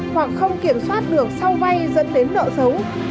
hoặc không kiểm soát được sau vay dẫn đến nợ xấu